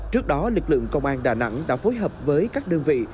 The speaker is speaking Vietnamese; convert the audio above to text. trước đó lực lượng công an đà nẵng đã phối hợp với các đơn vị